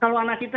kalau anak kita